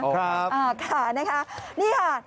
ครับอ่าค่ะนะคะนี่ค่ะ